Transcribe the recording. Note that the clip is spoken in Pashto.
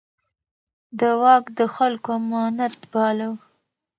ده واک د خلکو امانت باله.